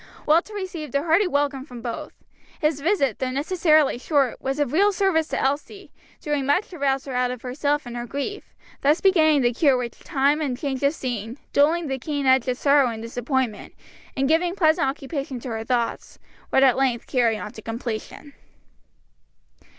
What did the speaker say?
Walter received a hearty welcome from both. His visit, though necessarily short, was of real service to Elsie, doing much to rouse her out of herself and her grief; thus beginning the cure which time and change of scene dulling the keen edge of sorrow and disappointment, and giving pleasant occupation to her thoughts would at length carry on to completion.